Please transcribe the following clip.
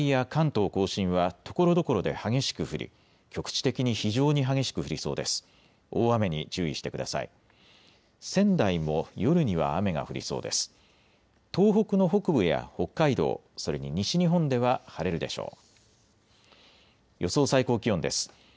東北の北部や北海道、それに西日本では晴れるでしょう。